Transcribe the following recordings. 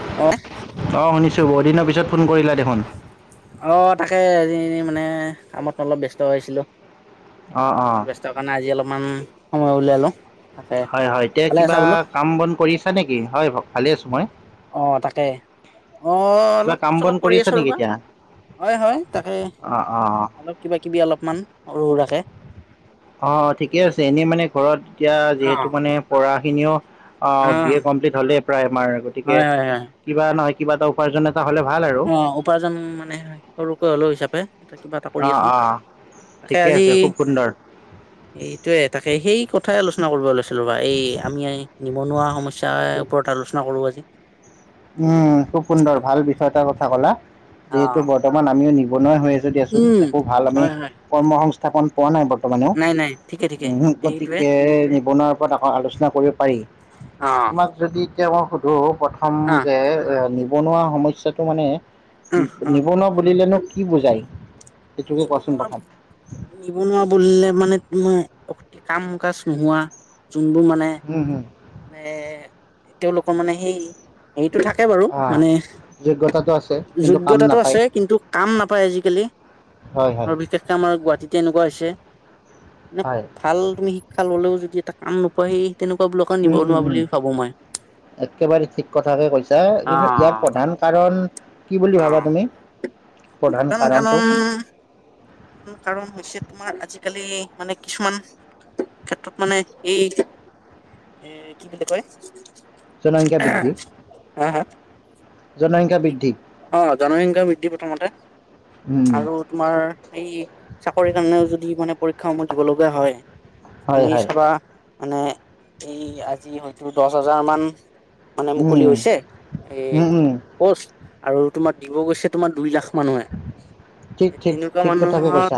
অ শুনিছো বহুদিনৰ পিছত ফোন কৰিলা দেখোন অ তাকে এ মানে কামত অলপ ব্যস্ত হৈছিলো অ অ অকণ ব্যস্ত কাৰনে আজি অলপ অকমান সময় উলিয়াইলওঁ হয় হয় এতিয়া কিবা কাম বন কৰিছা নেকি হয় ভালে আছো মই অঁ তাকে অঁ কিবা অলপ কাম বন চলপ কৰি কৰিছা আছোঁ নেকি ৰ'বা এতিয়া হয় হয় তাকে অ অ অলপ কিবা কিবি অলপমান সৰু সোৰাকে অ ঠিকে আছে এনেই মানে ঘৰত এতিয়া অ যিহেতু মানে পঢ়া এনেও অহ অ বিএ কমপ্লিট হলেই প্ৰায় আমাৰ গতিকে হয় হয় হয় কিবা নহয় কিবা এটা উপাৰ্জনৰ অ উপাৰ্জন মানে সৰুকৈ হলেও হিচাপে এ কিবা এটা কৰি অ আছো অ তাকে ঠিকে আজি আছে খুব সুন্দৰ এইটোয়ে তাকে সেই কথা আলেচনা আলো়চনা কৰিব লৈছিলো বা এই আমি নিবনুৱা সমস্যাৰ ওপৰত আলোচনা কৰো আজি উম খুব সুন্দৰ ভাল বিষয় এটা কিয় কলা যিহেতু অ বৰ্তমান আমিও নিবনুৱা হৈ আছো দিয়াচোন উম, একো ভাল আমি হয় হয়, কৰ্ম সংস্থা স্থাপন পোৱা নাই বাৰু বৰ্তমানে নাই নাই ঠিকে ঠিকে সেইটোৱে গতিকে নিবনুৱাৰ ওপৰত আকৌ আলোচনা কৰিব পাৰি অ', তোমাক যদি এতিয়া মই সুধো প্ৰথম আহ এ নিবনুৱা সমস্যাটো মানে উম উম। নিবনুৱা বুলিলেনো কি বুজাই নিবনুৱা নিবনুৱা বুলিলে মানে অ কাম কাজ নোহোৱা যোনবোৰ মানে উম হম মানে তেওঁলোকৰ মানে সেই হেটো থাকে বাৰু আহ মানে যোগ্যতাটো আছে কিন্তু কাম যোগ্যতাটো নাপায় আছে কিন্তু কাম নাপায় আজিকালি হয় হয় আৰু বিশেষকে আমাৰ গুৱাহাটীতে এনেকুৱা হৈছে নে হয় ভাল তুমি শিক্ষা ললেও য য এটা কাম নাপাই তেনেকুৱা উম উম উম একেবাৰে ঠিক কথাকে কৈছা কিন্তু ইয়াৰ অ', প্ৰধান কাৰণ কি বুলি ভাবা অ', তুমি প্ৰধান কাৰণটো কাৰণ হৈছে তোমাৰ আজিকালি মানে কিছুমান ক্ষেত্ৰত মানে এই এ কি বুলি কয় জনসংখ্যা বৃদ্ধি হ হা জনসংখ্যা বৃদ্ধি অ জনসংখ্যা বৃদ্ধি প্ৰথমতে উম আৰু তোমাৰ এই চাকৰি কাৰণেও যদি মানে শিক্ষূহ দিব লগীয়া হয় হয় তুমি হয় চাবা মানে এই আজি হয়তো দহ হাজাৰ মান মানে উম মুকলি হৈছে উম এই উম উম আৰু তোমাৰ দিব গৈছে তোমাৰ দুই লাখ মানুহে ঠিক ঠিক তেনেকুৱা ঠিক কথাকে মানুহত কৈছা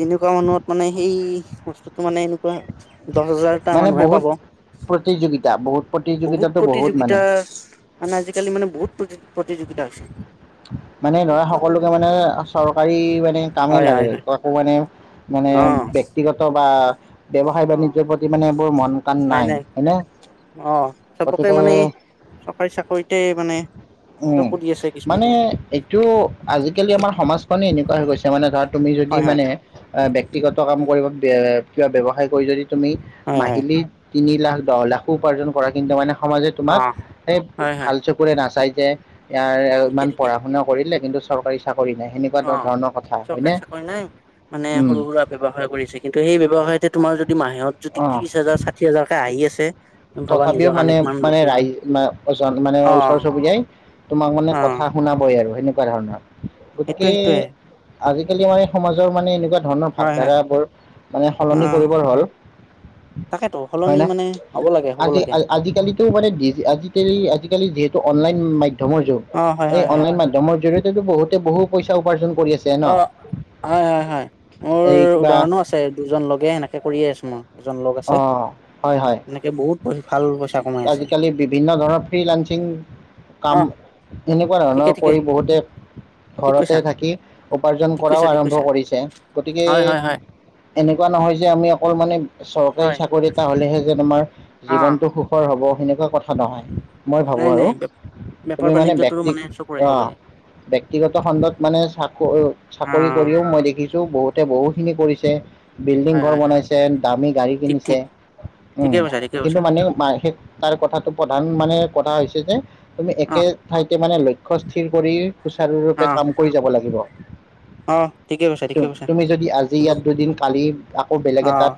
তেনেকুৱা মানুহত মানে সেই বস্তুটো মানে এনেক [unintelligible] দহ হাজাৰটা মানে মানুহে বহুত পাব প্ৰতিযোগিতা বহুত বহুত প্ৰতিযোগিতাটো মানে প্ৰতিযোগিতা মানে আজিকালি মানে বহুত প্ৰতিযোগিতা আছে মানে ধৰা সকলোকে মানে চৰকাৰী মানে কামেই হয় লাগে হয় হয় একো মানে মানে অ ব্যক্তিগত বা ব্যৱসায় অ বাণিয্যায়ৰ প্ৰতি মানে বোৰ মন কাণ নাই হয়নে অ চবকে গতিকে মানে চৰকাৰী চাকৰিতে মানে উম চকু দি আছে মানে কিছুমানে এইটো আজিকালি আমাৰ সমাজখনেই এনেকুৱা হৈ গৈছে মানে ধৰা তুমি হয় যদি হয় মানে ব্যক্তিগত কাম কৰিব কিবা ব্যৱসায় কৰি যদি তুমি হয় হয় মাহিলী তিনি লাখ দহ লাখো উপাৰ্জন কৰা কিন্তু মানে সমাজে অ তোমাক এ হয় হয় ভাল চকুৰে নাচাই যে ইয়াৰ ঠিকে ইমান ঠিকে পঢা শুনা কৰিলে কিন্তু চৰকাৰী চ অ চৰকাৰী চাকৰি নাই মানে উম সৰু সুৰা ব্য্য়ৱসায় কৰিছে কিন্তু সেই ব্য্য়ৱসায়তে তোমাৰ যদি যদি মাহেত অ যদি ত্ৰি হাজাৰ াি হাজাৰকে আহি আছে তুমি ভাবা তথাপিও নিজৰ কাৰণে মানে কিমান মানে বস্তু ৰাইজজন মানে অ ওচৰ চুবুৰীয়াই তোমাক মানে অ কথা শুনাবই আৰু ধন্যবা ধৰণৰ [unintelligible] সেইটোৱে গতিকে সেইটোৱে আজ মে সমাজৰ মানে এনেকুৱা ধৰণৰ হয় হয় ভাৱধাৰা বোৰ মানে অ সলনি কৰিবৰ হল তাকেতো সলনি হয় ন মানে হ'ব লাগে হ'ব আজি লাগে আজিকালিতো মানে আজিকালি জ যিহেতু অনলাইন মাধম মাধ্যমৰ যোগগ অ হয় এই হয় হয় অনলাইন মাধ্যমৰ জৰিয়তে ো বহুতে বহু পইচা উপাৰ্জন কৰি আছে ন অ হয় হয় হয় মোৰ এই কিবা উদাহৰণো আছে দুজন লগে সেনেকে কৰিয়ে আছো মই এজন লগ আছে অ হয় হয় এনেকে বহুত ভাল পইচা কমাই আছে আজিকালি বিভিন্ন ধৰণৰ ফ্ৰী লানসিং কাম অ এনেকুৱা ঠিকে ধৰণৰ ঠিকে কৰি বহুতে ঠিক ঘৰতে কৈছা থাকি উপাৰ্জন ঠিক কৰাও কৈছা ঠিক আৰম্ভ কৈছা কৰিছে গতিকে হয় হয় হয় এনেকুৱা নহয় যে আমি অকল মানে চৰকাৰী হয় চাকৰি এটা হ'লেহে যেন আমাৰ অ জীৱনটো সুখৰ হ'ব সেনে প [unintelligible] নহয়। মই ভাবো নাই আৰু নাই বেপাৰ তুমি মানে বাণিজ্যটোৰো ব্যক্তি চকু ৰাখিব অ', লাগে ব্যক্তিগত খণ্ডত মানে চাকৰি অ চাকৰি কৰিও মই দেখি বহুতে বহু খিনি কৰিছে। বিল্ডিং হয় ঘৰ হয় হয় বনাইছে। দামী গাড়ী ঠিক কিনিছে, ঠিক ঠিকে উম, কৈছা ঠিকে কিন্তু কৈছা মানে মা সেই তাৰ কথাটো প্ৰধান মানে কথা হৈছে যে তুমি অ একে ঠাইতে মানে লক্ষ [unintelligible] কৰি অ সুচাৰুৰূপে কাম কৰি যাব লাগিব। অ ঠিকে কৈছা ঠিকে কৈছা তুমি যদি আজি ইয়াত দুদিন কালি আকৌ বেলেগ অ এটাত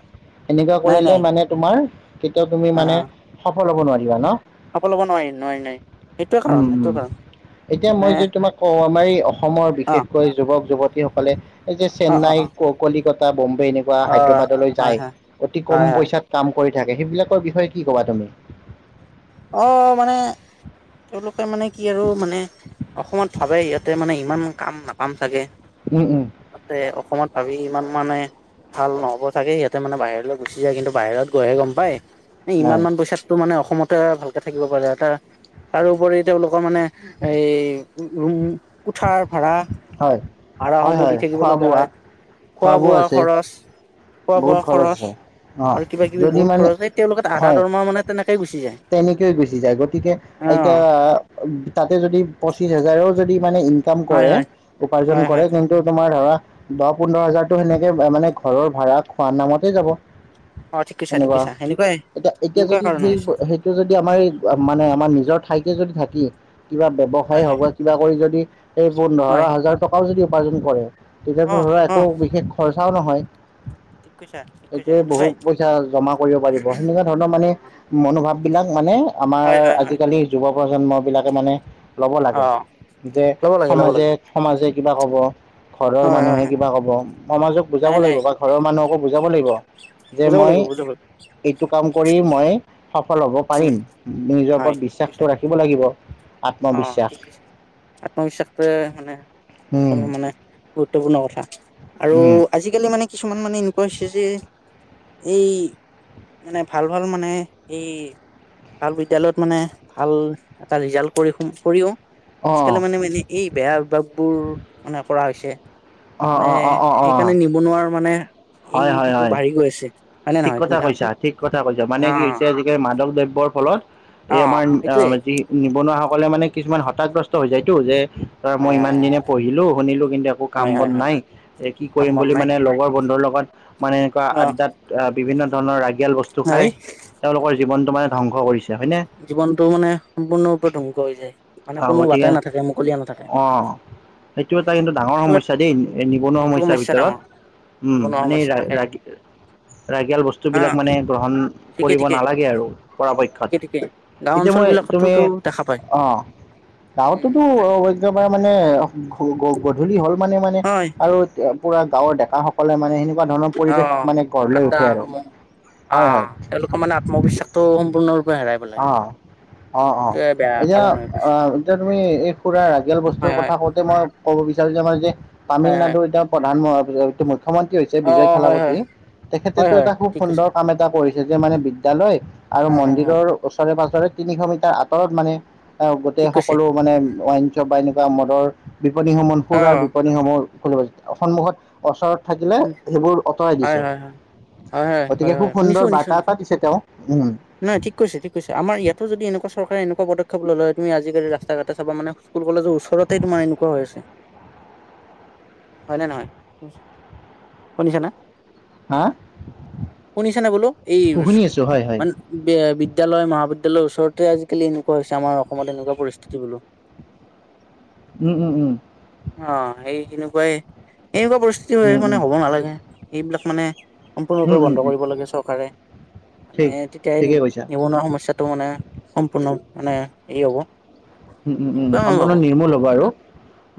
হেনেকুৱা নাই কৰিলে নাই মানে তোমাৰ [unintelligible] কেতিয়াও তুমি অ মানে স সফল হ'ব নোৱাৰিবা ন? সফল হব নোৱাৰি নোৱাৰি নোৱাৰি সেইটোৱে কাৰণ উম, সেইটোৱে উম, কাৰণ এতিয়া মই মানে যদি তোমাক কওঁ আমাৰ এই অসমৰ অ বিশেষকৈ যুৱক যুৱতী [unintelligible] এই যে, অ অ চেন্নাই, অ কলিকতা [unintelligible] এনেকুৱা অ হায়দৰাবাদলৈ হয় যায়। হয় অতি কম হয় হয় পইচাত কাম কৰি থাকে। সেইবিলাকৰ বিষয়ে কি ক'বা তুমি? অ', মানে তেওঁলোক মানে কি আৰু মানে, অসমত ভাবে ইয়াতে মানে ইমান কাম না পাম চাগে উম উম তাতে অসমত ভাবি ইমান মানে ভাল নহ'ব চাগে সিহঁতে মানে বাহিৰলৈ গুচি যায়, কিন্তু বাহিৰত গৈহে গম পায় ইমান হয় মান পইচাতটো মানে অস ত‌া ভালকে থাকিব পাৰে তাৰ তাৰোউপৰি তেওঁলোকৰ মানে এই ৰুম কোঠাৰ ভাড়া, হয় হয় ভাড়াসমূহ দি হয় থাকিব খোৱা লগীয়া বোৱা হয়। খোৱা বোৱা খৰচ। খোৱা বহুত বোৱা খৰচ। আছে অঁ আৰু কিবা কিবি যদি বহুত মানে খৰচ এই তেওঁলোকে আধা দৰমহা মানে তেনেকে সেই গৈছে তেনেকৈয়ে গুচি যায় গতিকে এতিয়া তাতে যদি পঁচিশ হাজাৰও যদি মানে ইনকাম হয় কৰে হয় উপাৰ্জন হয় কৰে হয় হয় কিন্তু তোমাৰ ধৰা দহ পোন্ধৰ হাজাৰতো সেনেকে মানে ঘৰৰ ভাড়া খোৱা নামতে যাব অ ঠিক কৈছা ঠিক সেনেকুৱা কৈছা সেনেকুৱাই এতিয়া এতিয়া এনেকুৱা যদি কাৰণ সেই হৈছে সেইটো যদি আমাৰ মানে আমাৰ নিজৰ ঠাইতে যদি থাকে কিবা ব্যৱসায় হয় হয় হওক বা কিবা কৰি যদি সেই পোন্ধৰ হয় হাজাৰ টকাও যদি উপাৰ্জন কৰে অ তেতিয়াতো ধৰা অ একো বিশেষ খৰচ কথাও নহয় ঠিক কৈছা ঠিক কৈছা এইটোয়ে বহু এনেকুৱাই পইচা জমা কৰিব পাৰিব সেনেকুৱা ধৰণৰ মানে মনোভাৱ এইবিলাক মানে আমাৰ হয় হয় হয় আজিকালি যুৱক প্ৰজন্ম বিলাকে মানে ল'ব অ লাগে যে ল'ব লাগে ল'ব লাগে সমাজে-সমাজে কিবা ক'ব। ঘৰৰ হয় হয় মানুহে হয় কিবা কব সমাজক বুজাব নাই নাই লাগিব বা ঘৰৰ মানুহকো বুজাব লাগিব যে বুজাব মই লাগিব বুজাব লাগিব এইটো কাম কৰি মই সফল হ'ব উম পাৰিম নিজৰ হয় ওপৰত ঠিক কৈছা বিশ্বাসটো ৰাখিব লাগিব। অ', আত্মবিশ্বাস ঠিক কৈছে আত্মবিশ্বাসটোৱে মানে সকলো মানে গুৰুত্বপূৰ্ণ কথা আৰু আজিকালি মানে কিছুমান কিছুমান মানে এনেকুৱা হৈছে যে এই মানে ভাল ভাল মানে এই ভাল বিদ্যালয়ত মানে ভাল এটা ৰিজাল্ট কৰি কৰিও অঁ আজিকালি মানে মানে এই বেয়া অভ্যাস বোৰ মানে কৰা হৈছে। এ অঁ মানে অঁ অঁ অঁ অঁ অঁ সেইকাৰণে নিবনুৱাৰ মানে এই হয় হয় সিটো হয় বাঢ়ি গৈ আছে। হয় নে ঠিক নহয় তুমি কথা চাবাচোন কৈছা, ঠিক কথা কৈছা, মানে অ কি হৈছে আজিকালি মাদক দ্ৰব্যৰ ফলত অ এই আমাৰ সেইটোয়ে অ', যি নিবনুৱাসকলে মানে কিছুমান হতাগ্ৰস্ত হৈ যায়তো যে তাৰ মই হয় হয় ইমান হয় দিনে পঢ়িলো শুনিলো কিন্তু একো কাম হয় বন হয় হয় নাই এ, কি কাম কৰিম বন বুলি নাই মানে লগৰ বন্ধুৰ লগত হয়। মানে এনেকুৱা অ আ্ড্ডাত বিভিন্ন ধৰণৰ ৰাগিয়াল বস্তু খাই হয় তেওঁলোকৰ জীৱনটো মানে ধ্বংস কৰিছে। হয়নে জীৱনতটো মানে সম্পূৰ্ণৰূপে ধ্বংস হৈ যায়। মানে অ', কোনো গতিকে বাটাই নাথাকে মুকলিয়া নাথাকে অ', সেইটো এটা কিন্তু ডাঙৰ সেইটো সমস্য়াা দেই নিবনুৱা সেইটো সমস্যাৰ সমস্যা ভিতৰত ডাঙৰ উম, নিবনুৱা মানে সমস্যা ৰা তাকে ৰাগিয়াল বস্তু অ বিলাক মানে গ্ৰহণ কৰিব নালাগে আৰু পৰাপক্ষত গাওঁ এতিয়া অঞ্চল মই তুমি বিলাকতোতো দেখা পায়। অ উম গাঁৱতোতো তাকে অ', একেবাৰে মানে গধূলি হ'ল মানে মানে হয় আৰু। পুৰা গাঁৱৰ ডেকাাসকলে মানে সে অ', আড্ডা সমূহ হয় আহ হয় তেওঁলোকৰ মানে আত্মবিশ্বাসটো সম্পূৰ্ণ অ', অ', অ', বেয়া এতিয়া কাৰণ হৈ পৰিছে অ', এতিয়া তুমি এই খুুৰাৰ ৰাগেল বস্তুৰ হয় হয় কথা কওঁতে মই। ক'ব বিচাৰো যে আমাৰ যে হয় হয় তামিলনাডু এতিয়া প্ৰধান মহ [unintelligible] মুখ্যমন্ত্ৰী হৈছে অ' বিজয় হয় হয় থালাপতি হয় তেখেতেতো হয় এটা খুব ঠিক কৈছে সুন্দৰ কাম এটা কৰিছে তেন্তে মানে বিদ্যালয় আৰু হয় হয় হয় মন্দিৰৰ পাৰে তিনিশ মিটাৰ আঁতৰত মানে গোটেই ঠিক কৈছে সকলো মানে বা এনেকুৱা মদৰ বিপণীসমূহ অ' সুৰাৰ আৰু বিপণীসমূৰ খুলিব সন্মুখত ওচৰত থাকিলে সেইবোৰ আঁতৰাই হয় দিছে হয় হয় হয় হয় হয় গতিকে হয় খুব শুনিছো সুন্দৰ শুনিছো বাৰ্তা শুনিছো এটা দিছে তেওঁ উম নহয় ঠিক কৈছে ঠিক কৈছে আমাৰ ইয়াতো যদি এনেকুৱা চৰকাৰে এনেকুৱা পদক্ষেপ ল'লে তুমি আজিকালি ৰাস্তা ঘাটে চাবা মানে স্কুল কলেজৰ ওচৰতে তোমাৰ এনেকুৱা আঁ হৈছে হয় নে নহয় শুনিছে না হা শুনিছেনে বোলো এই শুনি আছো হয় হয় মান বিদ্যালয় মহাবিদ্যালয় এতিয়াল ওচৰতে আজিকালি এনেকুৱা হৈছে আমাৰ অসমত এনেকুৱা পৰিস্থিতি বোলো উম উম উম অঁ এই এনেকুৱাই এনেকুৱা পৰিস্থিতি উম উম মানে হ'ব নালাগে এইবিলাক মানে উম সম্পূৰ্ণৰূপে উম বন্ধ উম কৰিব লাগে চৰকাৰে মানে ঠিক তেতিয়াই ঠিকেই কৈছা নিবনুৱা সমস্যাৰ তো মানে সম্পূৰ্ণ মানে এই হ'ব উম উম উম এনেকুৱা মই সম্পূৰ্ণ ভাবো নিৰ্মূল হ'ব আৰু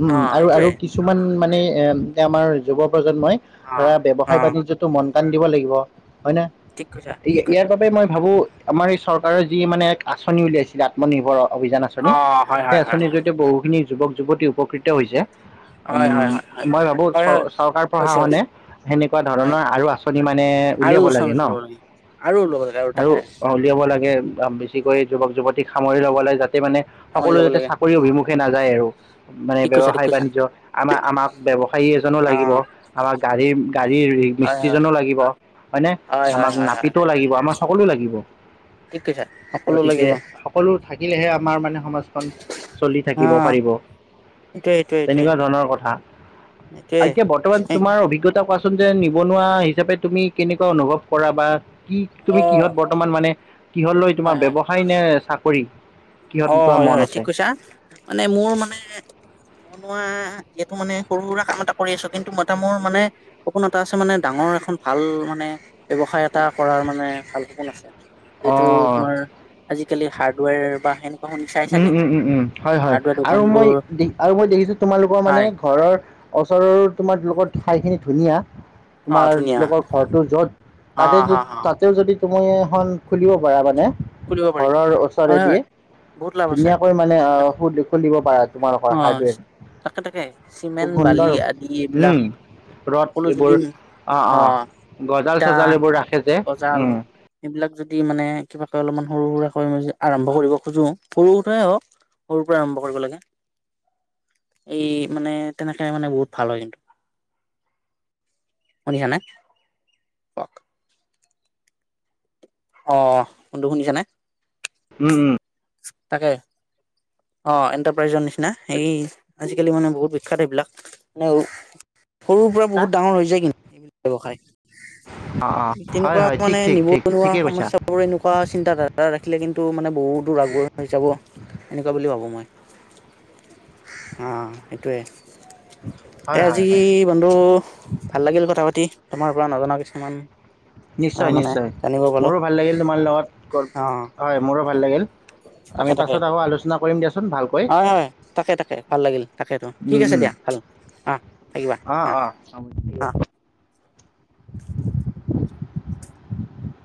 উম অ আৰু আৰু সেইটোৱে কিছুমান মানে এ আমাৰ যুৱ প্ৰজন্মই অ ধৰা অ ব্যৱসায় বাণিজ্যতো মন কাণ দিব লাগিব হয় নে ঠিক কৈছা ঠিক ইয়াৰ কৈছা বাবে মই ভাবো আমাৰ এই চৰকাৰৰ যি মানে এক আঁচনি উলিয়াইছিলে আত্মনিৰ্ভৰত অভিযান আঁচনি অ হয় সেই হয় হয় আঁচনি জৰিয়তে বহুখিনি যুৱক যুৱতী উপকৃত হৈছে উম হয় হয় হয় মই ভাবো চ হয় হয় চৰকাৰ হৈছে প্ৰশাসনে হৈছে সেনেকুৱা হয় ধৰণৰ আৰু আঁচনি মানে আৰু উলিয়াব লাগে চান্স ন ল'ব আৰু ল'ব লাগে আৰু তাকে উলিয়াব লাগে বেছিকৈ যুৱক যুৱতী সামৰি ল'ব লাগে যাতে মানে সামৰি সকলো ল'ব যাতে লাগে চাকৰি অভিমুখে নাযায় আৰু। মানে ঠিক কৈছা ঠিক ব্যৱসায় কৈছা বাণিজ্য আমাৰ আমাক ব্যৱসায়ী এজনো অ লাগিব, আমাক গাড়ীৰ গাড়ীৰ হয় হয় মিস্ত্ৰীজনো লাগিব, হয়নে? হয় আমাক হয় হয় হয় নাপিতো লাগিব আমাক সকলো লাগিব ঠিক কৈছা সকলো গতিকে লাগিব সকলো। থাকিলেহে আমাৰ মানে। চলি অ থাকিব পাৰিব সেইটোৱে সেইটোৱে তেনেকুৱা ধৰণৰ কথা। সেইটোৱে এতিয়া বৰ্তমান সেইটোৱে তোমাৰ অভিজ্ঞতা কোৱাচোন? যে নিবনুৱা হিচাপে তুমি কেনেকুৱা অনুভৱ কৰা বা। কি অ তুমি কিহত বৰ্তমান মানে। কিহৰ লৈ তোমাৰ হয় হয় ব্যৱসায় নে চাকৰি? [unintelligible] কিহত? অ তোমাৰ হয় মন হয় আছে ঠিক কৈছা, মানে মোৰ মানে বনোৱা। এইটো মানে সৰু সুৰা কাম এটা কৰি আছো। কিন্তু মই এটা মোৰ মানে সপোন এটা আছে মানে ডাঙৰ এখন ভাল মানে ব্যৱসায় এটা কৰাৰ মানে ভাল সপোন আছে। এইটো অ' তোমাৰ আজিকালি হাৰ্ডৱেৰ। ফেন। উম উম উম উম হয় হয় দোকান আৰু মই বোৰ আৰু মই দেখিছো তোমালোকৰ মানে হয় ঘৰৰ ওচৰৰো তোমাৰ লো। ঠাই খিনি ধুনীয়া। অ তোমাৰ ধুনীয়া লোকৰ ঘৰটো যত অ তাতে হা হা তাতেও যদি। তুমি এখন খুলিব পাৰা মানে। খুলিব পাৰি ঘৰৰ ওচৰে হয় হয় দিয়ে। বহুত লাভ আছে ধুনীয়াকৈ মানে আহ এইবিলাক খ খুলিব পাৰা অ তোমালোকৰ হাৰ্ডৱেৰ, তাকে তাকে চিমেণ্ট খুব বালি সুন্দৰ আদি এইবিলাক উম সকলো ৰদ যদি এইবোৰ আহ অ আহ গজাল ইটা চজাল এইবোৰ ৰাখে যে উম। এই বিলাক যদি মানে কিবা। কিবা অলপমান আৰম্ভ কৰিব খোজোঁ, সৰু হুৰাই হওক, সৰু পৰা আৰম্ভ কৰিব লাগে। এই মানে তেনেকে মানে বহুত ভাল হয় কিন্তু। শুনিছানে। [inaudible] আহ [unintelligible] শুনিছানে? উম উম। তাকে অ এণ্টাৰপ্ৰাইজৰ নিচিনা এই আজিকালি মানে বহুত বিখ্যাত সেইবিলাক মানে। সৰুৰ পৰা অ', বহুত ডাঙৰ হৈ যায় কিন্তু [inaudible] ব্যৱসায় অ' হয়, তেনেকুৱা হয় ঠিক, মানে ঠিক, ঠিক নিবনুৱা ঠিকেই কৈছা সমস্যাবোৰ এনেকুৱা চিন্তাধাৰা ৰাখিলে কিন্তু। তো মানে বহুত। দূ আগুৱাই যাব এনেকুৱা বুলি ভাবোঁ মই। অ অ সেইটোৱে। এ হয়, হয়, আজি হয়। বন্ধু ভাল লাগিল কথা পাতি। তোমাৰ পৰা নজনা কিছুমান। অ নিশ্চয় মানে নিশ্চয় জানিব পালো মোৰো ভাল লাগিল তোমাৰ লগত অ হয় মোৰো ভাল লাগিল। আমি তাকে তাকে পাছত আকৌ আলোচনা কৰিম দিয়াচোন ভালকৈ হয় হয় তাকে তাকে ভাল লাগিল তাকেতেতো ঠিক আছে দিয়া ভাল অ থাকিবা অঁ হা অঁ হ'ব অ।